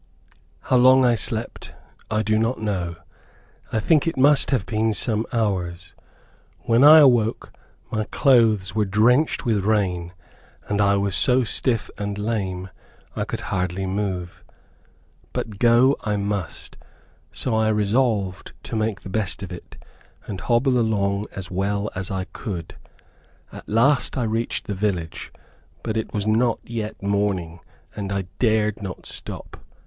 How long I slept, I do not know. I think it must have been some hours. When I awoke, my clothes were drenched with rain, and I was so stiff and lame, I could hardly move. But go I must, so I resolved to make the best of it, and hobble along as well as I could. At last I reached the village, but it was not yet morning, and I dared not stop.